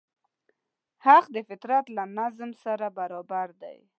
حق د فطرت له نظم سره برابر دی.